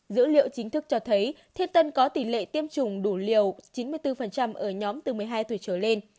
dữ liệu chính thức cho thấy thiên tân có tỷ lệ tiêm chủng đủ liều chín mươi bốn ở nhóm từ một mươi hai tuổi trở lên